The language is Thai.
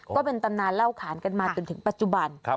ก็เป็นตำนานเล่าขานกันมาจนถึงปัจจุบัน